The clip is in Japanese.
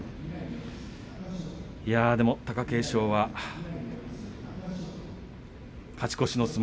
貴景勝は勝ち越しの相撲。